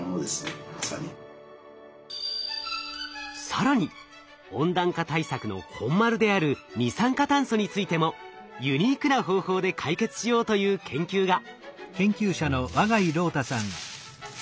更に温暖化対策の本丸である二酸化炭素についてもユニークな方法で解決しようという研究が。